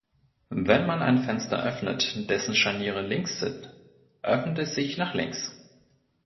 Wenn man ein Fenster öffnet, dessen Scharniere links sind, öffnet es sich "nach links".